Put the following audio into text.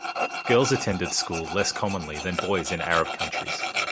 Girls attended school less commonly than boys in Arab countries.